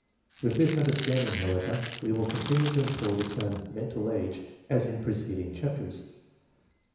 With this understanding, however, we will continue to employ the term mental age as in preceding chapters.